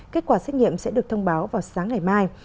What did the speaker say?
kết quả xét nghiệm sẽ được thông báo vào sáng ngày mai